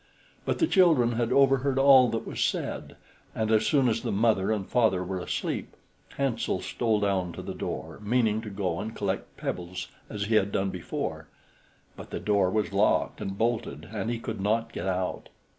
But the children had overheard all that was said, and as soon as the mother and father were asleep, Hansel stole down to the door, meaning to go and collect pebbles as he had done before; but the door was locked and bolted, and he could not get out.